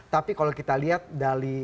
tapi kalau kita lihat dari